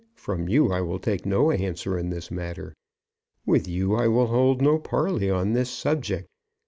From you I will take no answer in this matter. With you I will hold no parley on this subject.